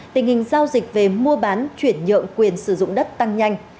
tình hình giao dịch về mua bán chuyển nhượng quyền sử dụng đất tăng nhanh